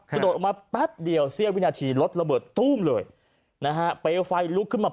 กระโดดออกมาแป๊บเดียวเสี้ยวินาทีรถระเบิดตู้มเลยนะฮะเปลวไฟลุกขึ้นมา